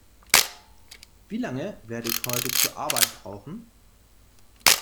Wie lange werde ich heute zur Arbeit brauchen?